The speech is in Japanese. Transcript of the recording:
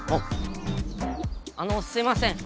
あのすいません。